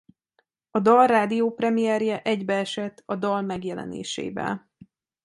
A dal rádió premierje egybeesett a dal megjelenésével.